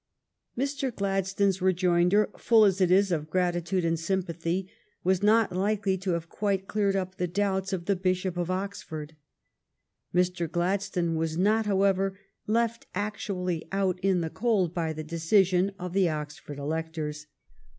Mr. Gladstone s rejoinder, full as it is of gratitude and sympathy, was not likely to have quite cleared up the doubts of the Bishop of Oxford. Mr. Gladstone was not, however, left actually out in the cold by the deci sion of the Oxford electors.